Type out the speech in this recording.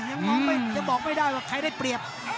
ยังบอกไม่ได้ว่าใครได้เปรียบ